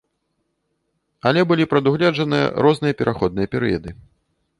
Але былі прадугледжаныя розныя пераходныя перыяды.